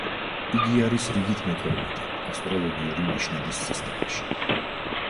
იგი არის რიგით მეთორმეტე ასტროლოგიური ნიშნების სისტემაში.